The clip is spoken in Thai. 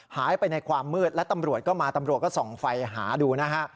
หายไปในความมืดและตำรวจก็มาตำรวจก็ส่องไฟหาดูนะฮะ